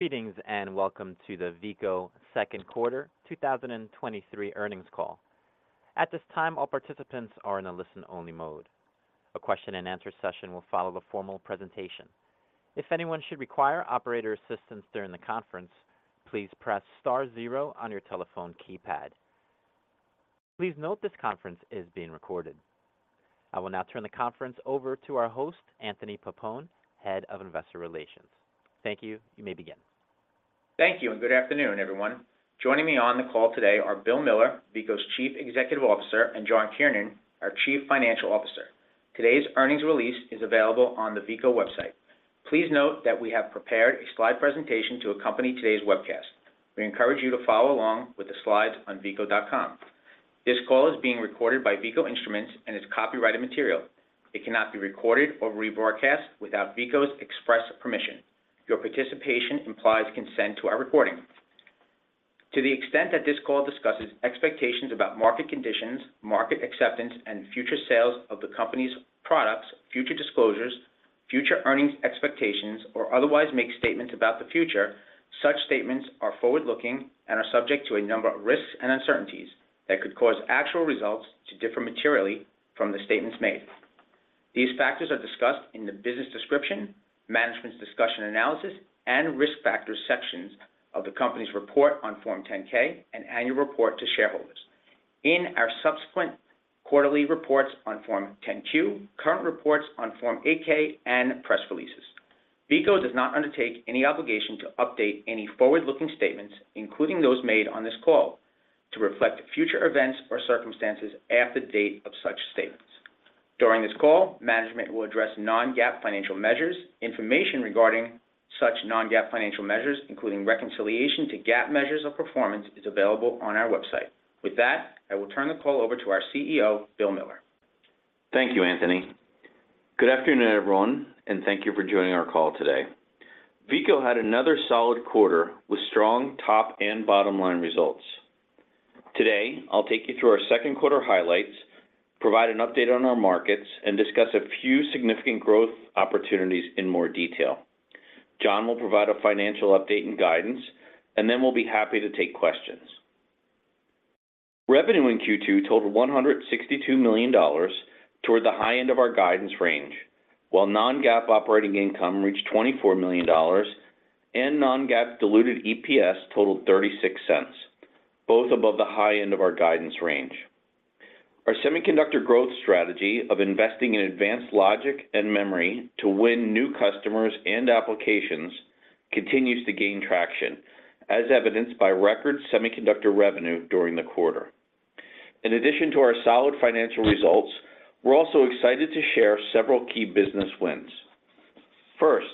Greetings, and welcome to the Veeco second quarter 2023 earnings call. At this time, all participants are in a listen-only mode. A question-and-answer session will follow the formal presentation. If anyone should require operator assistance during the conference, please press star 0 on your telephone keypad. Please note this conference is being recorded. I will now turn the conference over to our host, Anthony Pappone, Head of Investor Relations. Thank you. You may begin. Thank you, and good afternoon, everyone. Joining me on the call today are Bill Miller, Veeco's Chief Executive Officer, and John Kiernan, our Chief Financial Officer. Today's earnings release is available on the Veeco website. Please note that we have prepared a slide presentation to accompany today's webcast. We encourage you to follow along with the slides on veeco.com. This call is being recorded by Veeco Instruments and is copyrighted material. It cannot be recorded or rebroadcast without Veeco's express permission. Your participation implies consent to our recording. To the extent that this call discusses expectations about market conditions, market acceptance, and future sales of the company's products, future disclosures, future earnings expectations, or otherwise make statements about the future, such statements are forward-looking and are subject to a number of risks and uncertainties that could cause actual results to differ materially from the statements made. These factors are discussed in the Business Description, Management's Discussion Analysis, and Risk Factors sections of the company's report on Form 10-K and annual report to shareholders. In our subsequent quarterly reports on Form 10-Q, current reports on Form 8-K, and press releases. Veeco does not undertake any obligation to update any forward-looking statements, including those made on this call, to reflect future events or circumstances after the date of such statements. During this call, management will address non-GAAP financial measures. Information regarding such non-GAAP financial measures, including reconciliation to GAAP measures of performance, is available on our website. With that, I will turn the call over to our CEO, Bill Miller. Thank you, Anthony. Good afternoon, everyone, thank you for joining our call today. Veeco had another solid quarter with strong top and bottom line results. Today, I'll take you through our second quarter highlights, provide an update on our markets, and discuss a few significant growth opportunities in more detail. John will provide a financial update and guidance, and then we'll be happy to take questions. Revenue in Q2 totaled $162 million toward the high end of our guidance range, while non-GAAP operating income reached $24 million and non-GAAP diluted EPS totaled $0.36, both above the high end of our guidance range. Our semiconductor growth strategy of investing in advanced logic and memory to win new customers and applications continues to gain traction, as evidenced by record semiconductor revenue during the quarter. In addition to our solid financial results, we're also excited to share several key business wins. First,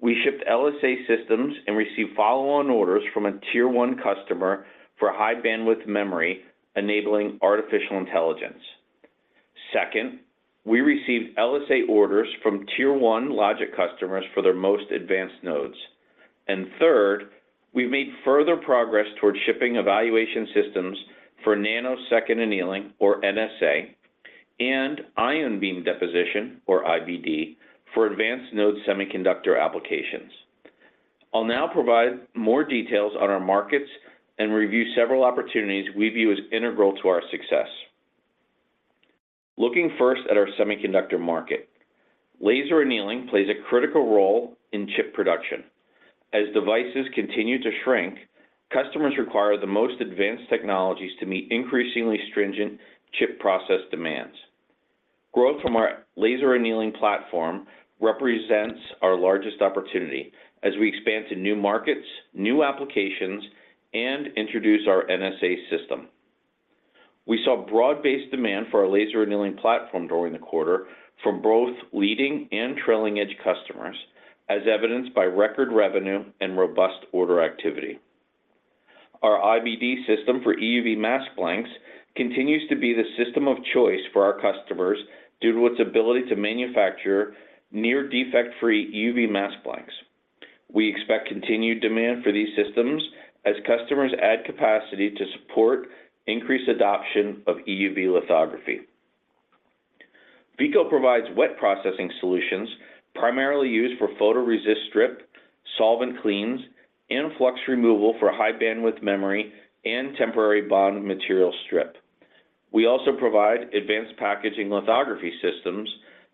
we shipped LSA systems and received follow-on orders from a Tier One customer for high-bandwidth memory, enabling artificial intelligence. Second, we received LSA orders from Tier One logic customers for their most advanced nodes. Third, we've made further progress towards shipping evaluation systems for nanosecond annealing, or NSA, and ion beam deposition, or IBD, for advanced node semiconductor applications. I'll now provide more details on our markets and review several opportunities we view as integral to our success. Looking first at our semiconductor market, laser annealing plays a critical role in chip production. As devices continue to shrink, customers require the most advanced technologies to meet increasingly stringent chip process demands. Growth from our laser annealing platform represents our largest opportunity as we expand to new markets, new applications, and introduce our NSA system. We saw broad-based demand for our laser annealing platform during the quarter from both leading and trailing edge customers, as evidenced by record revenue and robust order activity. Our IBD system for EUV mask blanks continues to be the system of choice for our customers due to its ability to manufacture near defect-free EUV mask blanks. We expect continued demand for these systems as customers add capacity to support increased adoption of EUV lithography. Veeco provides wet processing solutions primarily used for photoresist strip, solvent cleans, and flux removal for high-bandwidth memory and temporary bond material strip. We also provide advanced packaging lithography systems,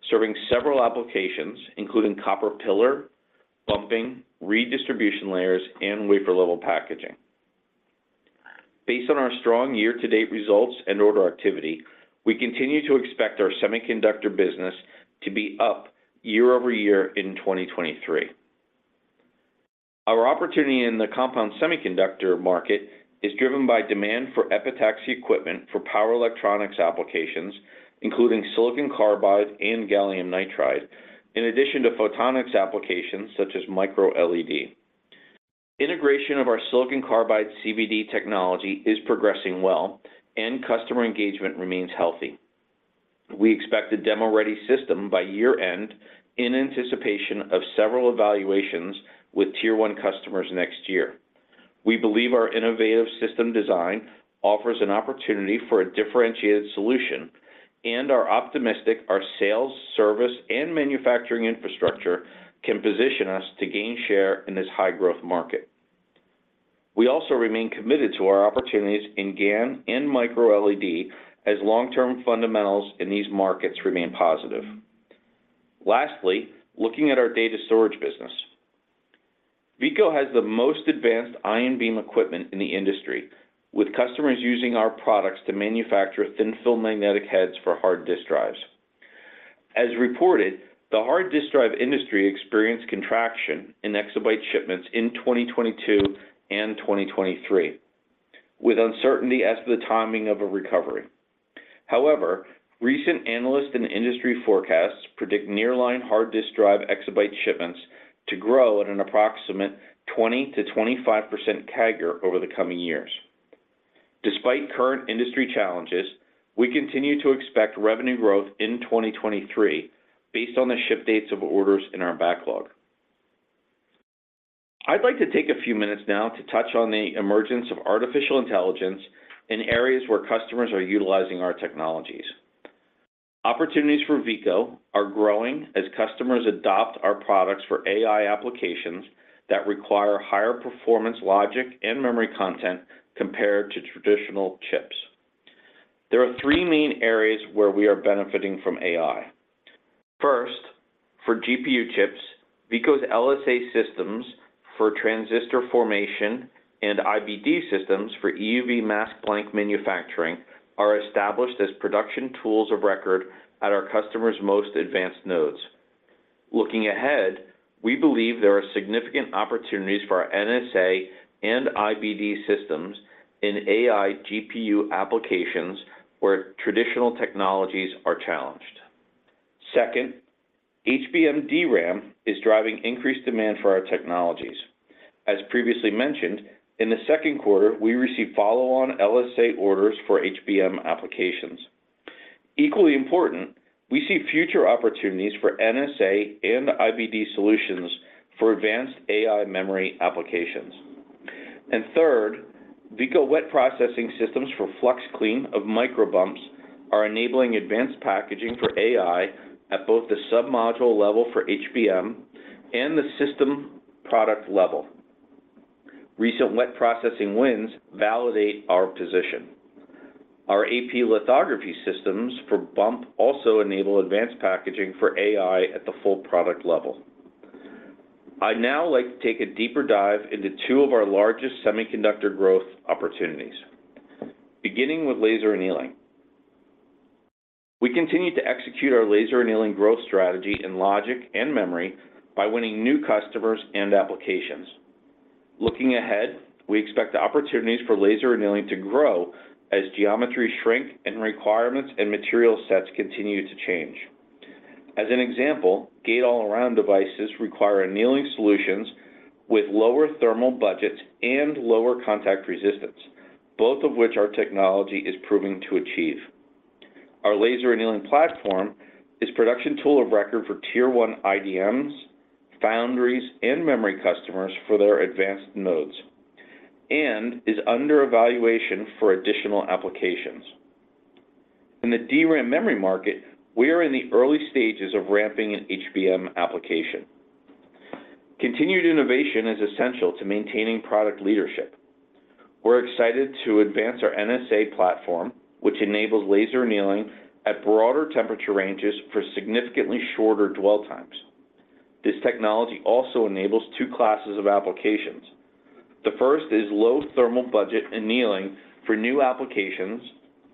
serving several applications, including copper pillar, bumping, redistribution layers, and wafer-level packaging. Based on our strong year-to-date results and order activity, we continue to expect our semiconductor business to be up year-over-year in 2023. Our opportunity in the compound semiconductor market is driven by demand for epitaxy equipment for power electronics applications, including silicon carbide and gallium nitride, in addition to photonics applications such as microLED. Integration of our silicon carbide CVD technology is progressing well and customer engagement remains healthy. We expect a demo-ready system by year-end in anticipation of several evaluations with Tier One customers next year. We believe our innovative system design offers an opportunity for a differentiated solution, and are optimistic our sales, service, and manufacturing infrastructure can position us to gain share in this high-growth market. We also remain committed to our opportunities in GaN and microLED as long-term fundamentals in these markets remain positive. Lastly, looking at our data storage business. Veeco has the most advanced ion beam equipment in the industry, with customers using our products to manufacture thin-film magnetic heads for hard disk drives. As reported, the hard disk drive industry experienced contraction in exabyte shipments in 2022 and 2023, with uncertainty as to the timing of a recovery. Recent analyst and industry forecasts predict nearline hard disk drive exabyte shipments to grow at an approximate 20%-25% CAGR over the coming years. Despite current industry challenges, we continue to expect revenue growth in 2023, based on the ship dates of orders in our backlog. I'd like to take a few minutes now to touch on the emergence of artificial intelligence in areas where customers are utilizing our technologies. Opportunities for Veeco are growing as customers adopt our products for AI applications that require higher performance logic and memory content compared to traditional chips. There are three main areas where we are benefiting from AI. First, for GPU chips, Veeco's LSA systems for transistor formation and IBD systems for EUV mask blank manufacturing are established as production tools of record at our customers' most advanced nodes. Looking ahead, we believe there are significant opportunities for our NSA and IBD systems in AI GPU applications where traditional technologies are challenged. Second, HBM DRAM is driving increased demand for our technologies. As previously mentioned, in the second quarter, we received follow-on LSA orders for HBM applications. Equally important, we see future opportunities for NSA and IBD solutions for advanced AI memory applications. Third, Veeco wet processing systems for flux clean of micro bumps are enabling advanced packaging for AI at both the sub-module level for HBM and the system product level. Recent wet processing wins validate our position. Our AP lithography systems for bump also enable advanced packaging for AI at the full product level. I'd now like to take a deeper dive into two of our largest semiconductor growth opportunities, beginning with laser annealing. We continue to execute our laser annealing growth strategy in logic and memory by winning new customers and applications. Looking ahead, we expect the opportunities for laser annealing to grow as geometry shrink, and requirements and material sets continue to change. As an example, Gate-All-Around devices require annealing solutions with lower thermal budgets and lower contact resistance, both of which our technology is proving to achieve. Our laser annealing platform is production tool of record for tier one IDMs, foundries, and memory customers for their advanced nodes, and is under evaluation for additional applications. In the DRAM memory market, we are in the early stages of ramping an HBM application. Continued innovation is essential to maintaining product leadership. We're excited to advance our NSA platform, which enables laser annealing at broader temperature ranges for significantly shorter dwell times. This technology also enables two classes of applications. The first is low thermal budget annealing for new applications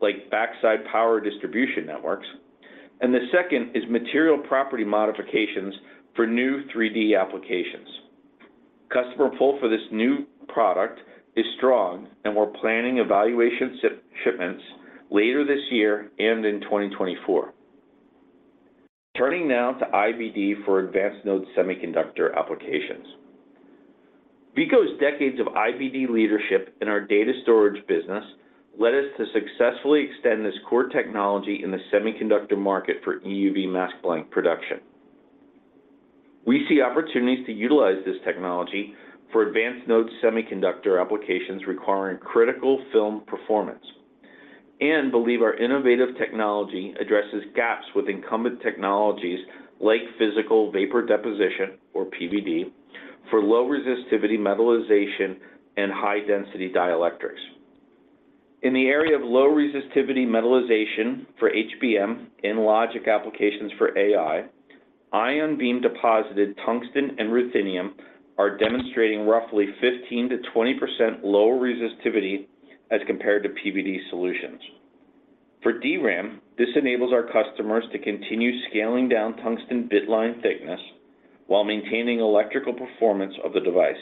like backside power distribution networks, and the second is material property modifications for new 3D applications. Customer pull for this new product is strong, and we're planning evaluation shipments later this year and in 2024. Turning now to IBD for advanced-node semiconductor applications. Veeco's decades of IBD leadership in our data storage business led us to successfully extend this core technology in the semiconductor market for EUV mask blank production. We see opportunities to utilize this technology for advanced-node semiconductor applications requiring critical film performance and believe our innovative technology addresses gaps with incumbent technologies like physical vapor deposition, or PVD, for low resistivity metallization and high-density dielectrics. In the area of low resistivity metallization for HBM in logic applications for AI, ion beam deposited tungsten and ruthenium are demonstrating roughly 15%-20% lower resistivity as compared to PVD solutions. For DRAM, this enables our customers to continue scaling down tungsten bit line thickness while maintaining electrical performance of the device.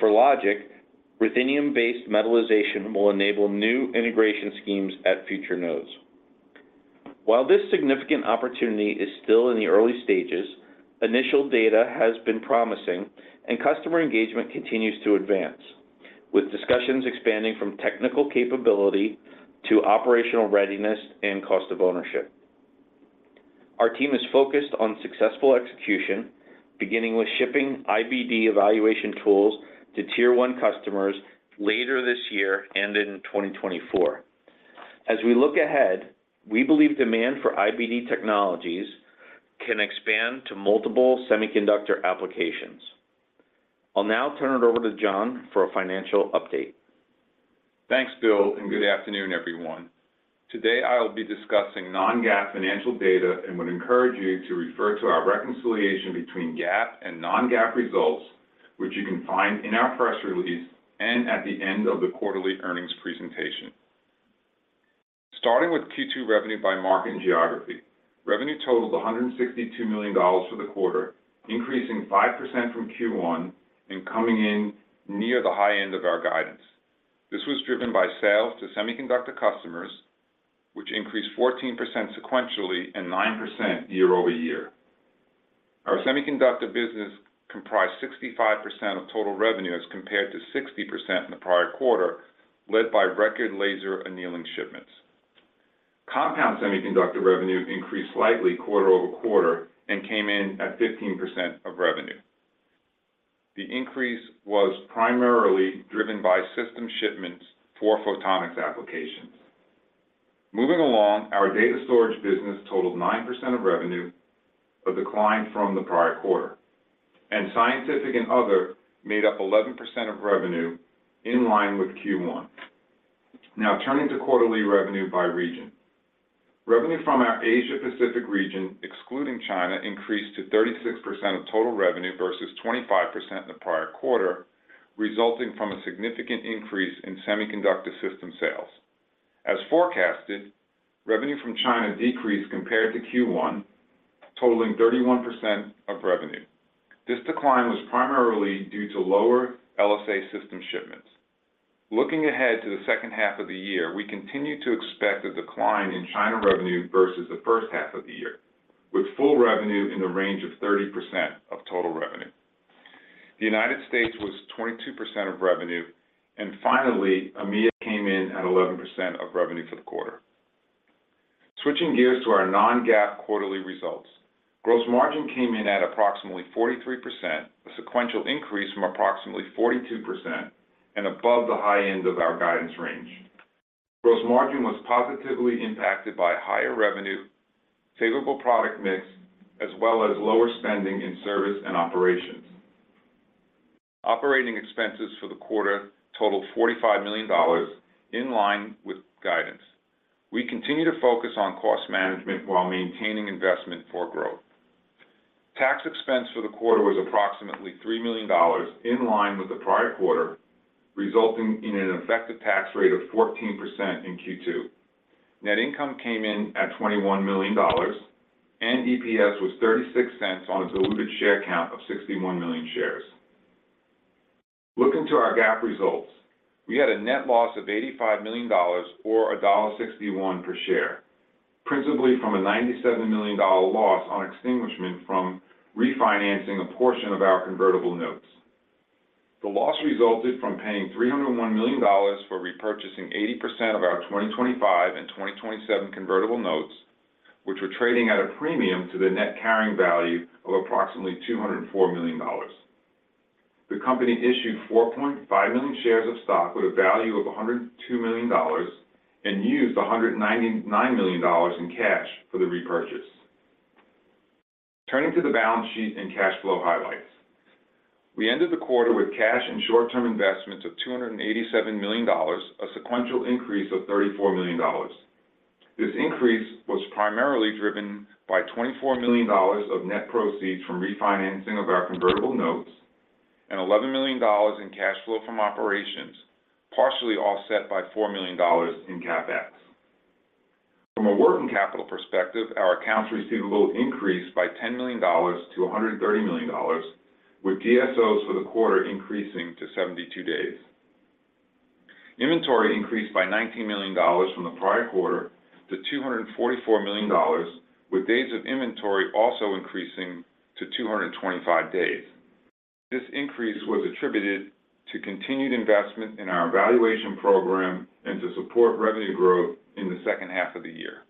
For logic, ruthenium-based metallization will enable new integration schemes at future nodes. While this significant opportunity is still in the early stages, initial data has been promising and customer engagement continues to advance, with discussions expanding from technical capability to operational readiness and cost of ownership. Our team is focused on successful execution, beginning with shipping IBD evaluation tools to tier one customers later this year and in 2024. As we look ahead, we believe demand for IBD technologies can expand to multiple semiconductor applications. I'll now turn it over to John for a financial update. Thanks, Bill, and good afternoon, everyone. Today, I will be discussing non-GAAP financial data and would encourage you to refer to our reconciliation between GAAP and non-GAAP results, which you can find in our press release and at the end of the quarterly earnings presentation. Starting with Q2 revenue by market and geography. Revenue totaled $162 million for the quarter, increasing 5% from Q1 and coming in near the high end of our guidance. This was driven by sales to semiconductor customers, which increased 14% sequentially and 9% year-over-year. Our semiconductor business comprised 65% of total revenue as compared to 60% in the prior quarter, led by record laser annealing shipments. Compound semiconductor revenue increased slightly quarter-over-quarter and came in at 15% of revenue. The increase was primarily driven by system shipments for photonics applications. Moving along, our data storage business totaled 9% of revenue, a decline from the prior quarter, and scientific and other made up 11% of revenue in line with Q1. Now, turning to quarterly revenue by region. Revenue from our Asia Pacific region, excluding China, increased to 36% of total revenue versus 25% in the prior quarter, resulting from a significant increase in semiconductor system sales. As forecasted, revenue from China decreased compared to Q1, totaling 31% of revenue. This decline was primarily due to lower LSA system shipments. Looking ahead to the second half of the year, we continue to expect a decline in China revenue versus the first half of the year, with full revenue in the range of 30% of total revenue. The United States was 22% of revenue, finally, EMEA came in at 11% of revenue for the quarter. Switching gears to our non-GAAP quarterly results. Gross margin came in at approximately 43%, a sequential increase from approximately 42% and above the high end of our guidance range. Gross margin was positively impacted by higher revenue, favorable product mix, as well as lower spending in service and operations. Operating expenses for the quarter totaled $45 million, in line with guidance. We continue to focus on cost management while maintaining investment for growth. Tax expense for the quarter was approximately $3 million, in line with the prior quarter, resulting in an effective tax rate of 14% in Q2. Net income came in at $21 million, EPS was $0.36 on a diluted share count of 61 million shares. Looking to our GAAP results, we had a net loss of $85 million or $1.61 per share, principally from a $97 million loss on extinguishment from refinancing a portion of our convertible notes. The loss resulted from paying $301 million for repurchasing 80% of our 2025 and 2027 convertible notes, which were trading at a premium to the net carrying value of approximately $204 million. The company issued 4.5 million shares of stock with a value of $102 million, and used $199 million in cash for the repurchase. Turning to the balance sheet and cash flow highlights. We ended the quarter with cash and short-term investments of $287 million, a sequential increase of $34 million. This increase was primarily driven by $24 million of net proceeds from refinancing of our convertible notes and $11 million in cash flow from operations, partially offset by $4 million in CapEx. From a working capital perspective, our accounts receivable increased by $10 million to $130 million, with DSOs for the quarter increasing to 72 days. Inventory increased by $19 million from the prior quarter to $244 million, with days of inventory also increasing to 225 days. This increase was attributed to continued investment in our evaluation program and to support revenue growth in the second half of the year.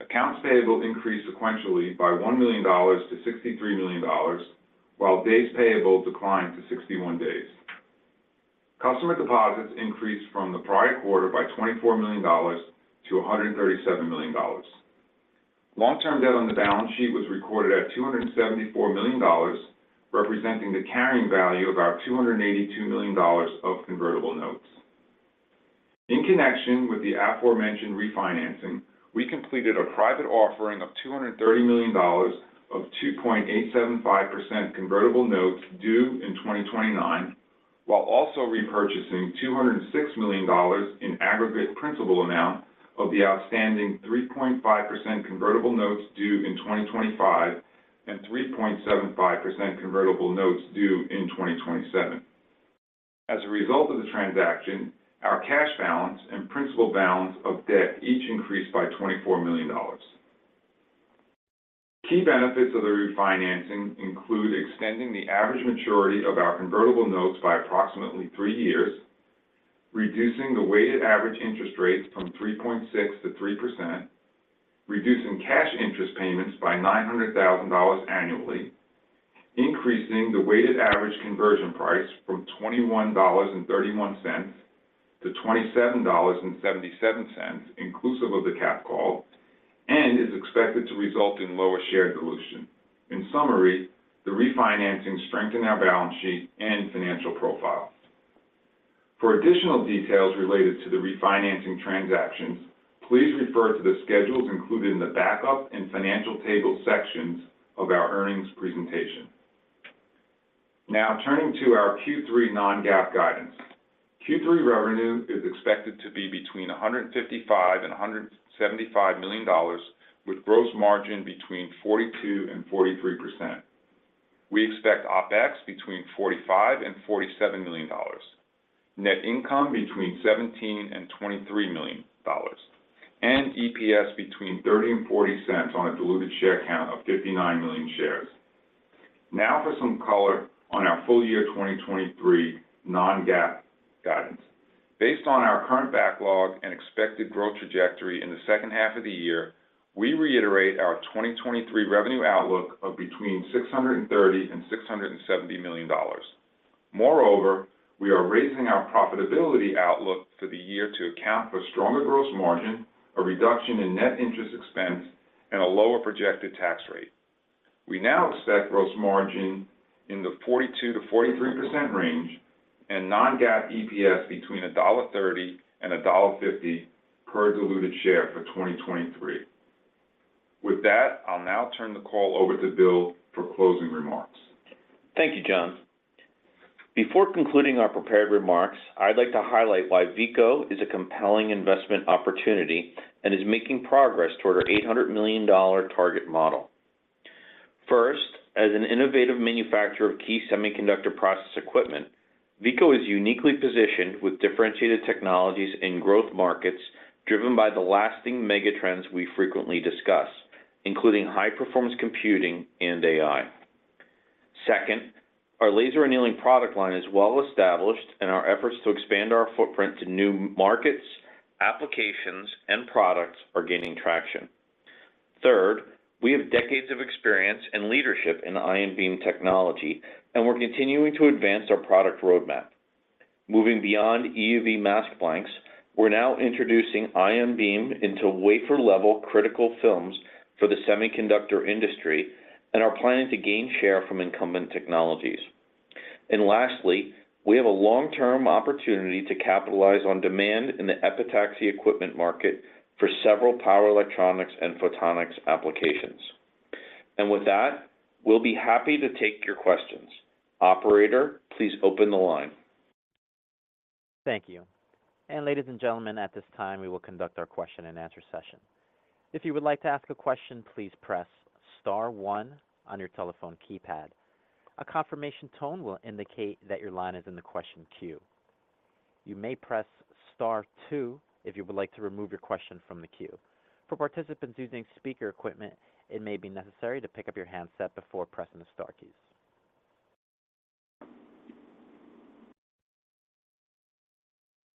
Accounts payable increased sequentially by $1 million to $63 million, while days payable declined to 61 days. Customer deposits increased from the prior quarter by $24 million to $137 million. Long-term debt on the balance sheet was recorded at $274 million, representing the carrying value of our $282 million of convertible notes. In connection with the aforementioned refinancing, we completed a private offering of $230 million of 2.875% convertible notes due in 2029, while also repurchasing $206 million in aggregate principal amount of the outstanding 3.5% convertible notes due in 2025 and 3.75% convertible notes due in 2027. As a result of the transaction, our cash balance and principal balance of debt each increased by $24 million. Key benefits of the refinancing include extending the average maturity of our convertible notes by approximately 3 years, reducing the weighted average interest rates from 3.6%-3%, reducing cash interest payments by $900,000 annually, increasing the weighted average conversion price from $21.31 to $27.77, inclusive of the capped call, and is expected to result in lower share dilution. In summary, the refinancing strengthened our balance sheet and financial profile. For additional details related to the refinancing transactions, please refer to the schedules included in the Backup and Financial Table sections of our earnings presentation. Now turning to our Q3 non-GAAP guidance. Q3 revenue is expected to be between $155 million and $175 million, with gross margin between 42%-43%. We expect OpEx between $45 million and $47 million, net income between $17 million and $23 million, and EPS between $0.30 and $0.40 on a diluted share count of 59 million shares. Now for some color on our full year, 2023 non-GAAP guidance. Based on our current backlog and expected growth trajectory in the second half of the year, we reiterate our 2023 revenue outlook of between $630 million and $670 million. Moreover, we are raising our profitability outlook for the year to account for stronger gross margin, a reduction in net interest expense, and a lower projected tax rate. We now expect gross margin in the 42%-43% range and non-GAAP EPS between $1.30 and $1.50 per diluted share for 2023. With that, I'll now turn the call over to Bill for closing remarks. Thank you, John. Before concluding our prepared remarks, I'd like to highlight why Veeco is a compelling investment opportunity and is making progress toward our $800 million target model. First, as an innovative manufacturer of key semiconductor process equipment, Veeco is uniquely positioned with differentiated technologies in growth markets, driven by the lasting mega trends we frequently discuss, including high-performance computing and AI. Second, our laser annealing product line is well-established, and our efforts to expand our footprint to new markets, applications, and products are gaining traction. Third, we have decades of experience and leadership in ion beam technology, and we're continuing to advance our product roadmap. Moving beyond EUV mask blanks, we're now introducing ion beam into wafer-level critical films for the semiconductor industry and are planning to gain share from incumbent technologies. Lastly, we have a long-term opportunity to capitalize on demand in the epitaxy equipment market for several power electronics and photonics applications. With that, we'll be happy to take your questions. Operator, please open the line. Thank you. Ladies and gentlemen, at this time, we will conduct our question-and-answer session. If you would like to ask a question, please press star 1 on your telephone keypad. A confirmation tone will indicate that your line is in the question queue. You may press star 2 if you would like to remove your question from the queue. For participants using speaker equipment, it may be necessary to pick up your handset before pressing the star keys.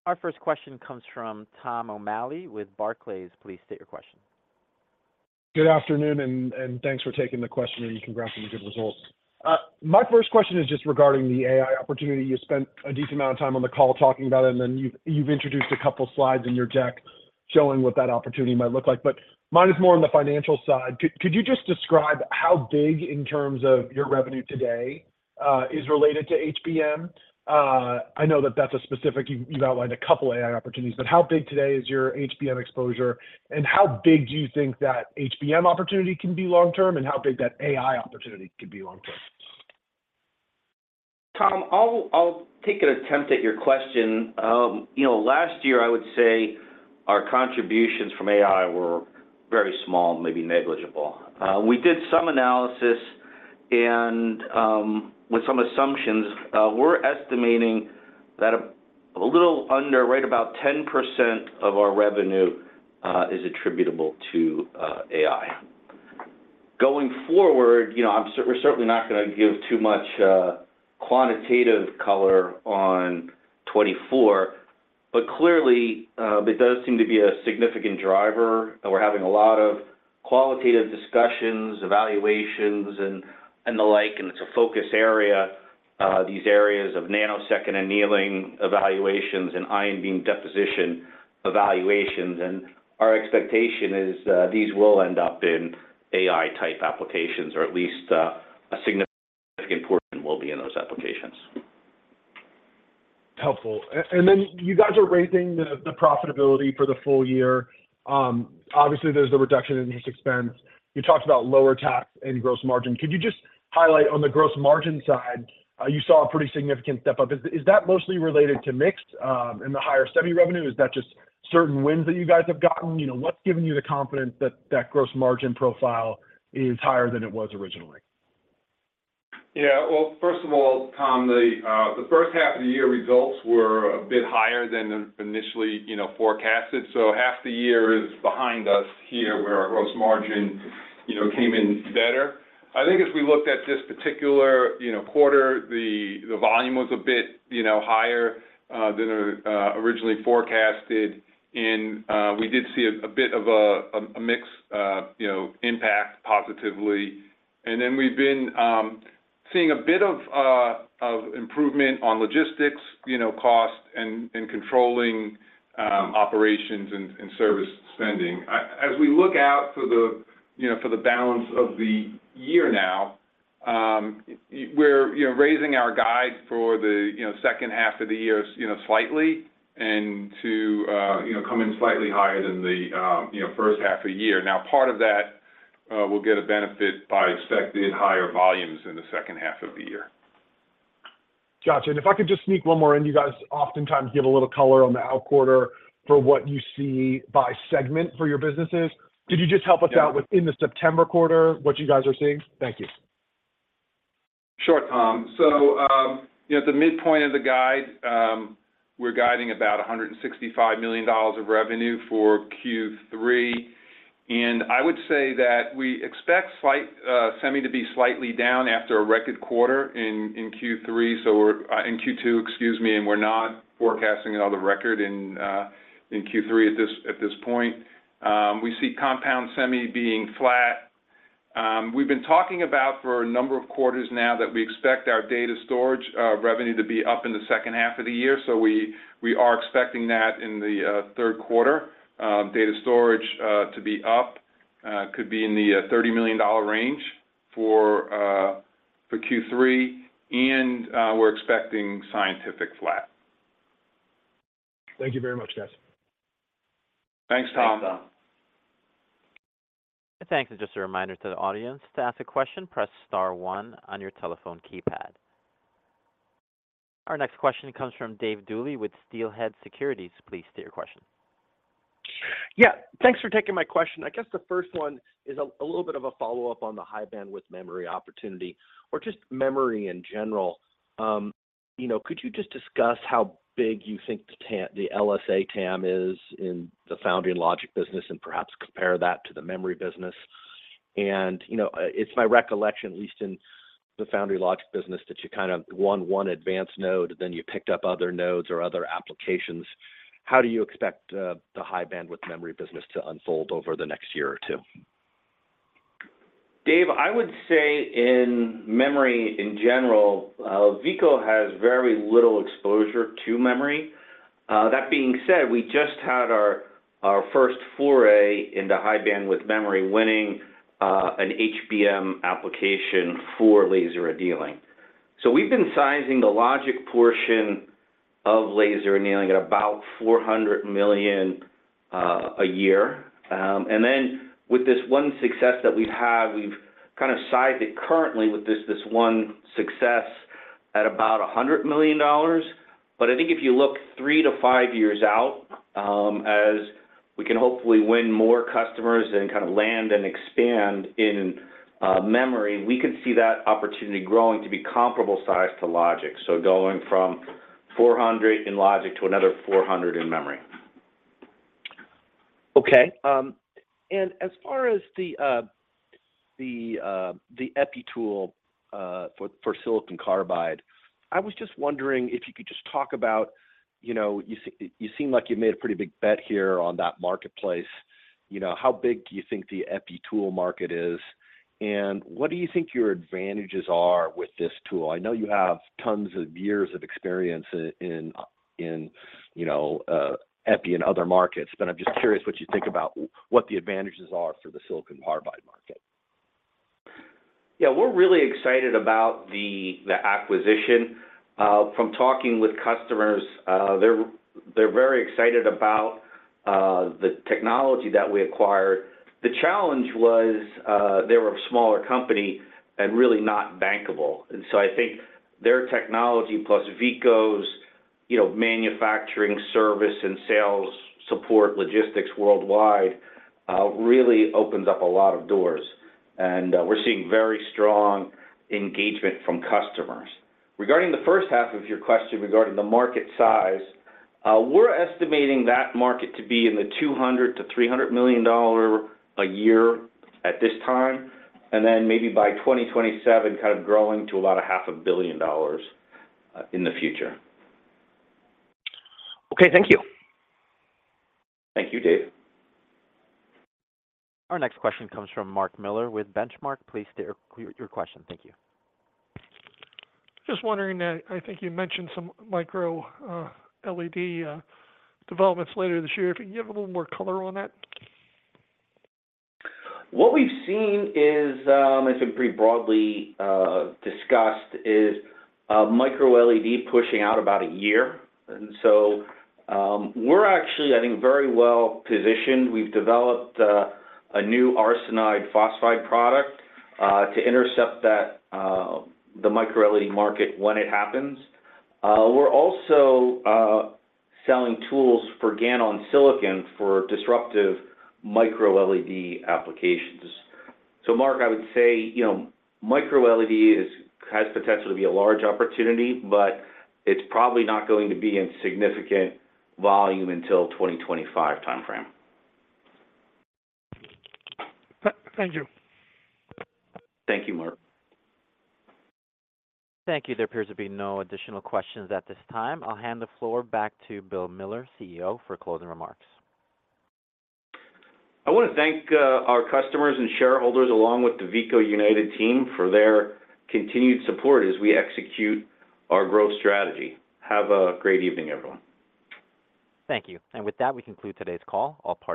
Our first question comes from Tom O'Malley with Barclays. Please state your question. Good afternoon, and thanks for taking the question, and congratulations on the good results. My first question is just regarding the AI opportunity. You spent a decent amount of time on the call talking about it, and then you've, you've introduced a couple slides in your deck showing what that opportunity might look like, but mine is more on the financial side. Could you just describe how big in terms of your revenue today, is related to HBM? I know that you've outlined a couple AI opportunities, but how big today is your HBM exposure, and how big do you think that HBM opportunity can be long term, and how big that AI opportunity could be long term? Tom, I'll, I'll take an attempt at your question. You know, last year, I would say our contributions from AI were very small, maybe negligible. We did some analysis, and with some assumptions, we're estimating that a little under right about 10% of our revenue is attributable to AI. Going forward, you know, we're certainly not gonna give too much quantitative color on 2024, but clearly, there does seem to be a significant driver, and we're having a lot of qualitative discussions, evaluations, and, and the like, and it's a focus area, these areas of nanosecond annealing evaluations and ion beam deposition evaluations. Our expectation is, these will end up in AI-type applications, or at least, a significant portion will be in those applications. Helpful. Then you guys are raising the profitability for the full year. Obviously, there's the reduction in interest expense. You talked about lower tax and gross margin. Could you just highlight on the gross margin side, you saw a pretty significant step up. Is that mostly related to mix and the higher semi revenue? Is that just certain wins that you guys have gotten? You know, what's giving you the confidence that that gross margin profile is higher than it was originally? Yeah. Well, first of all, Tom, the, the first half of the year results were a bit higher than initially, you know, forecasted. Half the year is behind us here, where our gross margin, you know, came in better. I think as we looked at this particular, you know, quarter, the, the volume was a bit, you know, higher, than originally forecasted.... and, we did see a, a bit of a, a, a mix, you know, impact positively. Then we've been seeing a bit of improvement on logistics, you know, cost and controlling operations and service spending. As we look out for the, you know, for the balance of the year now, we're, you know, raising our guide for the, you know, second half of the year, you know, slightly, and to, you know, come in slightly higher than the, you know, first half of the year. Now, part of that, we'll get a benefit by expected higher volumes in the second half of the year. Gotcha. If I could just sneak one more in. You guys oftentimes give a little color on the outquarter for what you see by segment for your businesses. Could you just help us out- Yeah with in the September quarter, what you guys are seeing? Thank you. Sure, Tom. You know, at the midpoint of the guide, we're guiding about $165 million of revenue for Q3. I would say that we expect slight semi to be slightly down after a record quarter in Q3, so we're in Q2, excuse me, and we're not forecasting another record in Q3 at this point. We see compound semi being flat. We've been talking about for a number of quarters now that we expect our data storage revenue to be up in the second half of the year, so we are expecting that in the third quarter. Data storage to be up, could be in the $30 million range for Q3, and we're expecting scientific flat. Thank you very much, guys. Thanks, Tom. Thanks, Tom. Thanks. Just a reminder to the audience, to ask a question, press star one on your telephone keypad. Our next question comes from Dave Dooley with Steelhead Securities. Please state your question. Yeah, thanks for taking my question. I guess the first one is a, a little bit of a follow-up on the High Bandwidth Memory opportunity, or just memory in general. you know, could you just discuss how big you think the the LSA TAM is in the foundry and logic business, and perhaps compare that to the memory business? You know, it's my recollection, at least in the foundry logic business, that you kind of won one advanced node, then you picked up other nodes or other applications. How do you expect the High Bandwidth Memory business to unfold over the next year or two? Dave, I would say in memory in general, Veeco has very little exposure to memory. That being said, we just had our, our first foray into high bandwidth memory, winning an HBM application for laser annealing. We've been sizing the logic portion of laser annealing at about $400 million a year. And then with this one success that we've had, we've kind of sized it currently with this, this one success at about $100 million. But I think if you look 3 to 5 years out, as we can hopefully win more customers and kind of land and expand in memory, we could see that opportunity growing to be comparable size to logic. Going from $400 in logic to another $400 in memory. Okay. As far as the EPI tool for silicon carbide, I was just wondering if you could just talk about. You know, you seem like you made a pretty big bet here on that marketplace. You know, how big do you think the EPI tool market is, and what do you think your advantages are with this tool? I know you have tons of years of experience in, in, you know, EPI and other markets, but I'm just curious what you think about what the advantages are for the silicon carbide market. Yeah, we're really excited about the, the acquisition. From talking with customers, they're, they're very excited about the technology that we acquired. The challenge was, they were a smaller company and really not bankable. So I think their technology, plus Veeco's, you know, manufacturing service and sales support, logistics worldwide, really opens up a lot of doors, and we're seeing very strong engagement from customers. Regarding the first half of your question, regarding the market size, we're estimating that market to be in the $200 million-$300 million a year at this time, and then maybe by 2027, kind of growing to about $500 million in the future. Okay. Thank you. Thank you, Dave. Our next question comes from Mark Miller with Benchmark. Please state your, your question. Thank you. Just wondering, I think you mentioned some microLED developments later this year. Can you give a little more color on that? What we've seen is, it's been pretty broadly discussed, is, microLED pushing out about a year. We're actually, I think, very well-positioned. We've developed a new arsenide phosphide product to intercept that, the microLED market when it happens. We're also selling tools for GaN-on-silicon for disruptive microLED applications. Mark, I would say, you know, microLED is- has potential to be a large opportunity, but it's probably not going to be in significant volume until 2025 timeframe. Thank you. Thank you, Mark. Thank you. There appears to be no additional questions at this time. I'll hand the floor back to Bill Miller, CEO, for closing remarks. I want to thank, our customers and shareholders, along with the Veeco United team, for their continued support as we execute our growth strategy. Have a great evening, everyone. Thank you. With that, we conclude today's call. All parties-